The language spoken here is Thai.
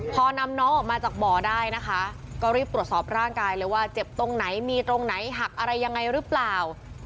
พอนำน้องออกมาจากบ่อได้นะคะก็รีบตรวจสอบร่างกายเลยว่าเจ็บตรงไหนมีตรงไหนหักอะไรยังไงหรือเปล่า